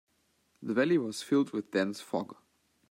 The valley was filled with dense fog.